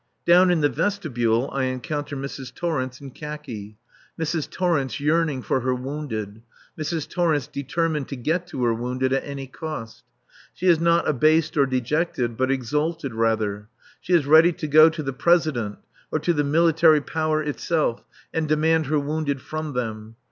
Down in the vestibule I encounter Mrs. Torrence in khaki. Mrs. Torrence yearning for her wounded. Mrs. Torrence determined to get to her wounded at any cost. She is not abased or dejected, but exalted, rather. She is ready to go to the President or to the Military Power itself, and demand her wounded from them.